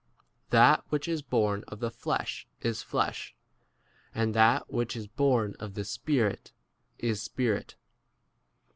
That [which is] born of the flesh is flesh; and that [which is] born of the Spirit 7 is spirit.